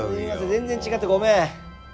全然違うってごめん。